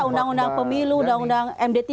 undang undang pemilu undang undang md tiga